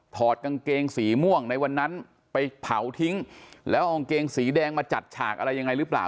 ถอดกางเกงสีม่วงในวันนั้นไปเผาทิ้งแล้วเอากางเกงสีแดงมาจัดฉากอะไรยังไงหรือเปล่า